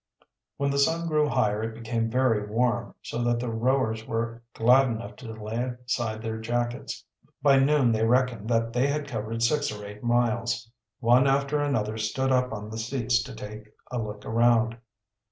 When the sun grew higher it became very warm, so that the rowers were glad enough to lay aside their jackets. By noon they reckoned that they had covered six or eight miles. One after another stood up on the seats to take a look around.